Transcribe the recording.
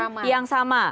kolom yang sama